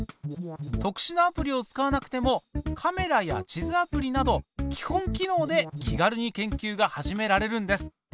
特殊なアプリを使わなくてもカメラや地図アプリなど基本機能で気軽に研究が始められるんです。